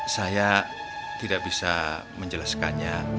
saya tidak bisa menjelaskannya